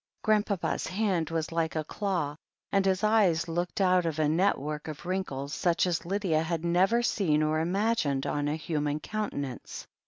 Grandpapa's hand was like a claw, and his eyes looked out of a network of wrinkles such as Lydia had never seen or imagined on a human countenance.